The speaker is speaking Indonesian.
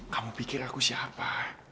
kamu pikir aku siapa